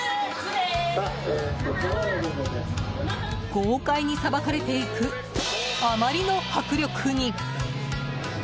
豪快にさばかれていくあまりの迫力に。